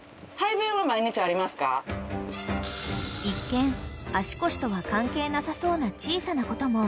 ［一見足腰とは関係なさそうな小さなことも］